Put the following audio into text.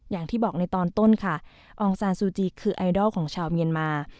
อย่างที่บอกในตอนต้นค่ะอองซานซูจีคือไอดอลของชาวเมียนมา